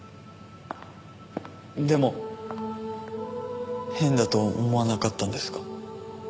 でも変だと思わなかったんですか？